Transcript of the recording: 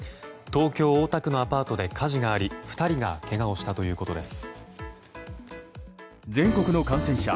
東京・大田区のアパートで火事があり２人がけがをしたということです。